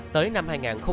tới năm hai nghìn một mươi